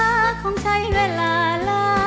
วันนี้เราจะได้สำคัญ